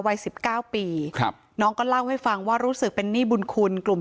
วัยสิบเก้าปีครับน้องก็เล่าให้ฟังว่ารู้สึกเป็นหนี้บุญคุณกลุ่ม